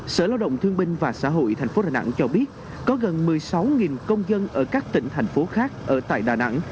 sở lao động thương binh và xã hội tp đà nẵng cho biết có gần một mươi sáu công dân ở các tỉnh thành phố khác ở tại đà nẵng